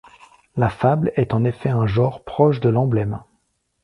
La fable est en effet un genre proche de l’emblème.